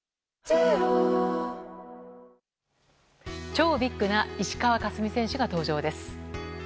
超ビッグな石川佳純選手が登場です。